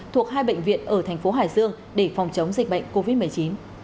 thuộc hai bệnh viện ở thành phố hải dương để phòng chống dịch bệnh covid một mươi chín